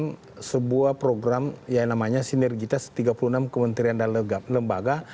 membangun sebuah program yang namanya sinergitas tiga puluh enam kementerian dan lembaga